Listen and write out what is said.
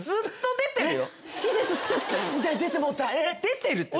出てるよ。